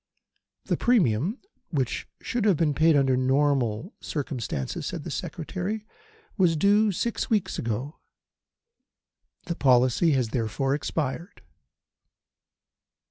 "The premium which should have been paid under ordinary circumstances," said the Secretary, "was due six weeks ago. The policy has therefore expired."